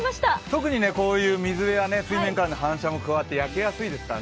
特にこういう水辺は水面からの反射も加わって焼けやすいですから。